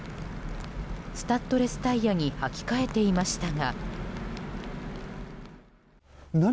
スタッドレスタイヤに履き替えていましたが。